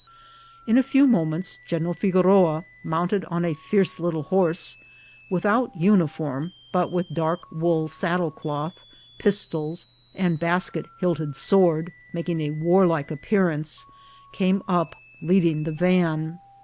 In a few moments General Figoroa, mounted on a fierce little horse, without uniform, but with dark wool saddle cloth, pistols, and basket hilted sword, making a warlike ap pearance, came up, leading the van.